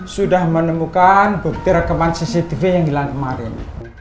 sudah menemukan bukti rekaman cctv yang hilang kemarin